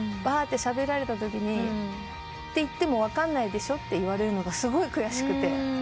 ばーってしゃべられたときに「って言っても分かんないでしょ？」って言われるのがすごい悔しくて。